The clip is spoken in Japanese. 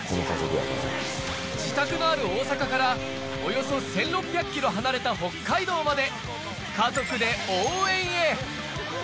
自宅のある大阪から、およそ１６００キロ離れた北海道まで、家族で応援へ。